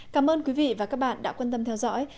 cảm ơn quý vị và các bạn đã quan tâm theo dõi